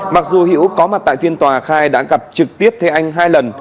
mặc dù hiễu có mặt tại phiên tòa khai đã gặp trực tiếp thế anh hai lần